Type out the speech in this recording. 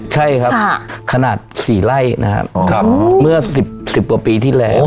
ใช่ครับขนาด๔ไร่นะครับเมื่อ๑๐กว่าปีที่แล้ว